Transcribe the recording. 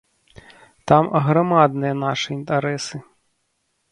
Там аграмадныя нашы інтарэсы.